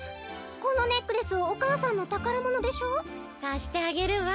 このネックレスお母さんのたからものでしょ？かしてあげるわ。